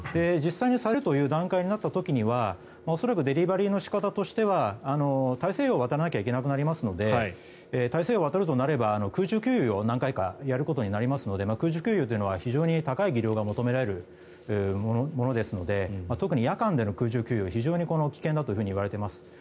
実際にされるという段階になった時には恐らくデリバリーの仕方としては大西洋を渡らなくてはいけなくなりますので大西洋を渡るとなれば空中給油をやることになりますので空中給油は非常に高い技量が求められるものですので特に夜間での空中給油は非常に危険だといわれています。